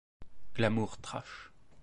Glamour trash.